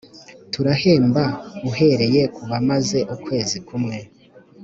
Turahemba uhereye ku bamaze ukwezi kumwe